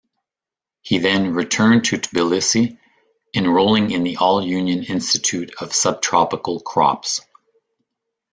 He then returned to Tbilisi, enrolling in the All-Union Institute of Subtropical Crops.